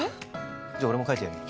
じゃあ俺も書いてやるよ